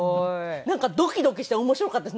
なんかドキドキして面白かったです